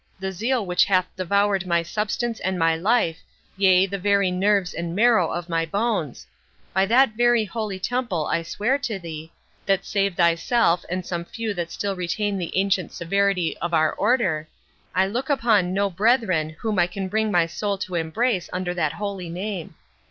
the zeal which hath devoured my substance and my life, yea, the very nerves and marrow of my bones; by that very Holy Temple I swear to thee, that save thyself and some few that still retain the ancient severity of our Order, I look upon no brethren whom I can bring my soul to embrace under that holy name.